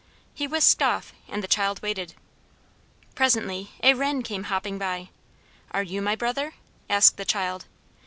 He whisked off, and the child waited. Presently a wren came hopping by. "Are you my brother?" asked the child.